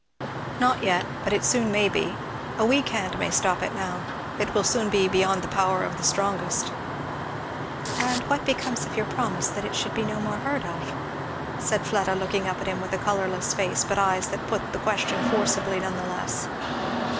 "Not yet but it soon may be. A weak hand may stop it now, it will soon be beyond the power of the strongest." "And what becomes of your promise that it should no more be heard of?" said Fleda, looking up at him with a colourless face but eyes that put the question forcibly nevertheless.